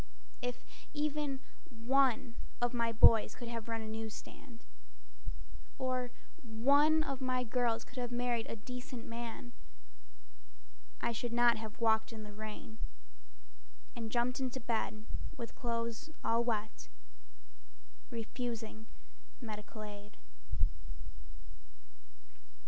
If even one of my boys could have run a news stand, Or one of my girls could have married a decent man, I should not have walked in the rain And jumped into bed with clothes all wet, Refusing medical aid.